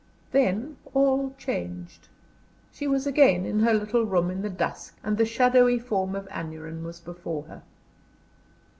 Then all changed. She was again in her little room in the dusk, and the shadowy form of Aneurin was before her.